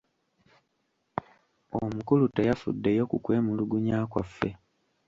Omukulu teyafuddeyo ku kwemulugunya kwaffe.